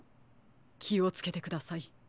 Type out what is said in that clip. きをつけてください。